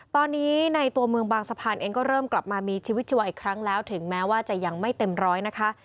ตอนนี้ในตัวเมืองบางสะพานเองก็เริ่มกลับมามีชีวิตชีวาอีกครั้งแล้วถึงแม้ว่าจะยังไม่เต็มร้อยนะคะ